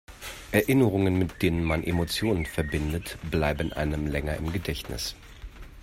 Erinnerungen, mit denen man Emotionen verbindet, bleiben einem länger im Gedächtnis.